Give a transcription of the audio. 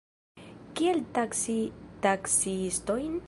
Kiel taksi taksiistojn?